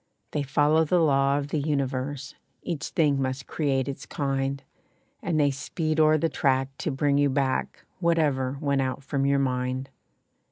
They follow the law of the universe Each thing must create its kind, And they speed o'er the track to bring you back Whatever went out from your mind.